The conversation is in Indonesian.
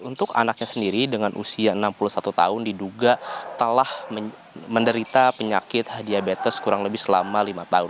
untuk anaknya sendiri dengan usia enam puluh satu tahun diduga telah menderita penyakit diabetes kurang lebih selama lima tahun